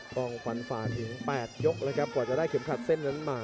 ต้องฝันฝ่าถึง๘ยกแล้วครับกว่าจะได้เข็มขัดเส้นนั้นมา